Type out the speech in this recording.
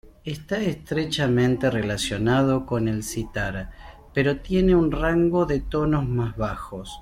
Está estrechamente relacionado con el sitar, pero tiene un rango de tonos más bajos.